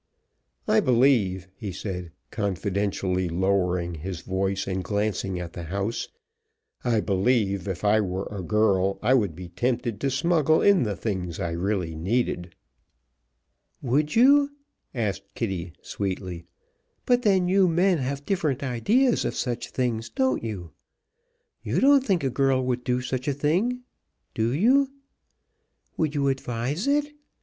I believe," he said, confidentially lowering his voice and glancing at the house, "I believe, if I were a girl, I would be tempted to smuggle in the things I really needed." "Would you?" asked Kitty, sweetly. "But then you men have different ideas of such things, don't you? You don't think a girl would do such a thing, do you? Would you advise it?